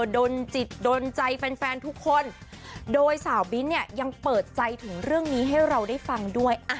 ดนจิตโดนใจแฟนทุกคนโดยสาวบิ้นเนี่ยยังเปิดใจถึงเรื่องนี้ให้เราได้ฟังด้วย